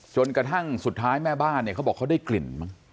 จนกระทั่งสุดท้ายแม่บ้านเนี่ยเขาบอกเขาได้กลิ่นมั้ง